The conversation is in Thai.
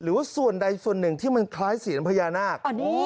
หรือว่าส่วนใดส่วนหนึ่งที่มันคล้ายเสียญพญานาค